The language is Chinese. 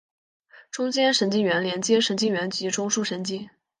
中间神经元连接神经元及中枢神经。